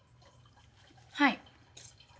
はい。